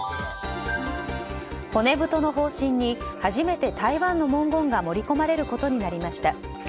骨太の方針に初めて台湾の文言が盛り込まれることになりました。